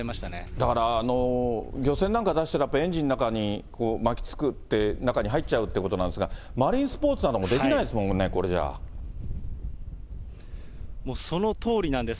だから漁船なんか出すと、エンジンの中に巻き付くって、中に入っちゃうってことなんですが、マリンスポーツなどもできないでもうそのとおりなんです。